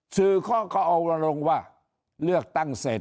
สื่อเขาก็เอาลงว่าเลือกตั้งเสร็จ